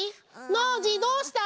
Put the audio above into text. ノージーどうしたの？